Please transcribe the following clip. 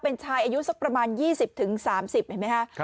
เป็นชายอายุสักประมาณ๒๐๓๐เห็นไหมคะ